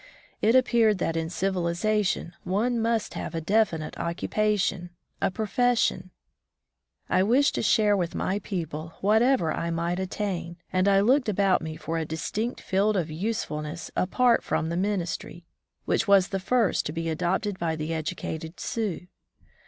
It ap peared that in dviUzation one must have a definite occupation — a profession. I wished 59 From the Deep Woods to Civilization to sliare with my people whatever I might attain, and I looked about me for a distinct field of usefulness apart from the ministry, which was the first to be adopted by the educated Sioux.